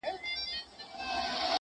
هره شېبه درس د قربانۍ لري٫